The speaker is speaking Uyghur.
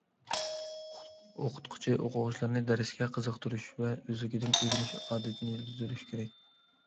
ئوقۇتقۇچى ئوقۇغۇچىلارنى دەرسكە قىزىقتۇرۇش ۋە ئۆزلۈكىدىن ئۆگىنىش ئادىتىنى يېتىلدۈرۈش كېرەك.